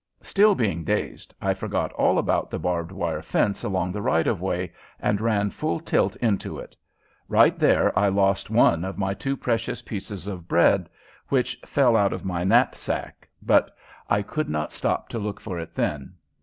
Still being dazed, I forgot all about the barbed wire fence along the right of way and ran full tilt into it. Right there I lost one of my two precious pieces of bread, which fell out of my knapsack, but I could not stop to look for it then.